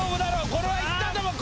これはいったと思う。